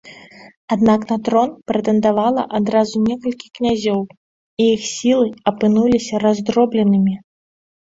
Аднак на трон прэтэндавала адразу некалькі князёў і іх сілы апынуліся раздробленымі.